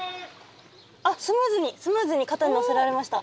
スムーズにスムーズに肩に乗せられました。